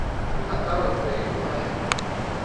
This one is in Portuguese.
O natal é um período mágico